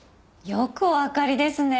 よくおわかりですね。